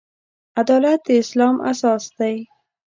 عدالت د اسلام اساس دی.